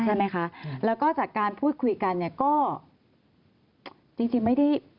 ใช่ไหมคะและก็จากการพูดคุยกันก็จริงไม่ได้